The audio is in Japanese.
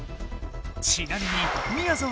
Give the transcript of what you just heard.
ちなみにみやぞん